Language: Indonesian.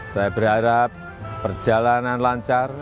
saya berharap perjalanan lancar